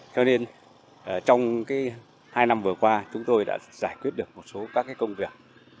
cho nên trong hai năm vừa qua chúng tôi đã giải quyết được một số các công việc